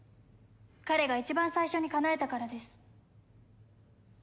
彼が一番最初にかなえたからです。